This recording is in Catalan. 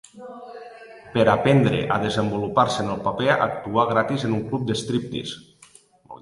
Per a aprendre a desenvolupar-se en el paper actuà gratis en un club de striptease.